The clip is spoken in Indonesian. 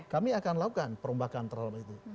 kami akan lakukan perombakan terhadap itu